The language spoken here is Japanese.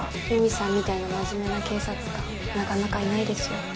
弓美さんみたいな真面目な警察官なかなかいないですよ